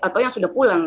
atau yang sudah pulang